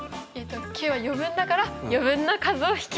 ９は余分だから余分な数を引け！